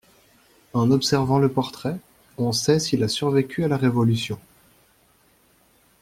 En observant le portrait, on sait s'il a survécu à la révolution.